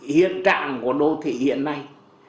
hiện trạng của đô thị hiện nay